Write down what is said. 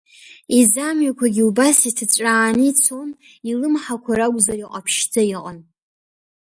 Иӡамҩақәагьы убас иҭыҵәрааны ицон, илымҳақәа ракәзар иҟаԥшьӡа иҟан.